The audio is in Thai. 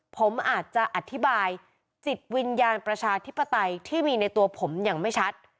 ผมอาจจะอธิบายจิตวิญญาณประชาธิปไตยที่มีในตัวผมอย่างไม่ชัด